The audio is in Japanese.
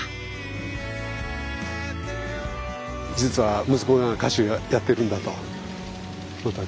実は息子が歌手やってるんだと。